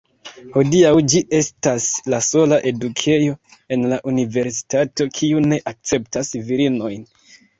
Hodiaŭ ĝi estas la sola edukejo en la universitato kiu ne akceptas virinojn.